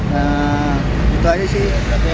ya gitu aja sih